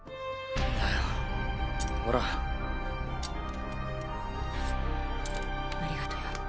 んだよほら。ありがとよ。